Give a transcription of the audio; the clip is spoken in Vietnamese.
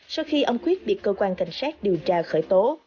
sau khi ông quyết bị cơ quan cảnh sát điều tra khởi tố